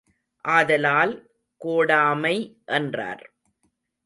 ஆதலால், கோடாமை என்றார்.